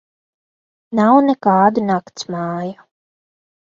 Nav nekādu naktsmāju.